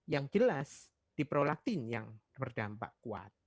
yang jelas di prolaktin yang berdampak kuat